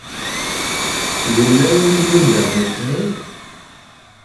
Yella win i d-yuddren isem-iw?